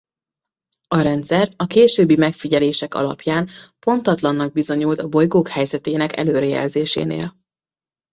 A rendszer a későbbi megfigyelések alapján pontatlannak bizonyult a bolygók helyzetének előrejelzésénél.